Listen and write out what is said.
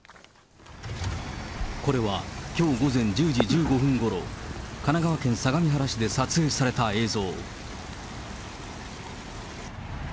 これはきょう午前１０時１５分ごろ、神奈川県相模原市で撮影された映像。